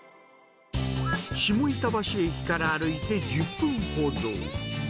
下板橋駅から歩いて１０分ほど。